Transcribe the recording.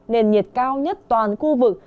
nền nhiệt cao nhất toàn khu vực